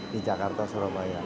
di jakarta surabaya